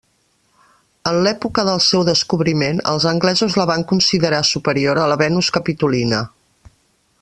En l'època del seu descobriment els anglesos la van considerar superior a la Venus Capitolina.